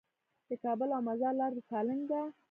د کابل او مزار لاره د سالنګ ده